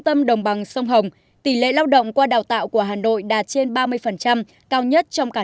tâm đông bằng sông hồng tỷ lệ lao động qua đào tạo của hà nội đạt trên ba mươi phần trăm cao nhất trong cả